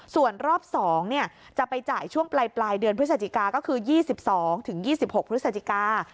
ส่วนรอบ๒จะไปจ่ายช่วงปลายเดือนพฤศจิกาก็คือ๒๒๒๖พฤศจิกา